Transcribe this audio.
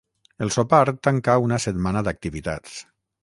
El sopar tanca una setmana d’activitats.